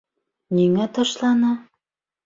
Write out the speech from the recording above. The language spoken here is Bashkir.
Ниңә ташланы?..